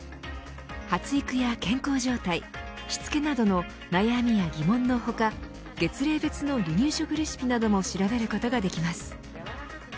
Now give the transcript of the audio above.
発育や健康状態しつけなどの悩みや疑問の他月齢別の離乳食レシピなども調べることができます。